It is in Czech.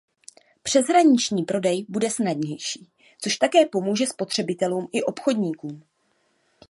Přeshraniční prodej bude snadnější, což také pomůže spotřebitelům i obchodníkům.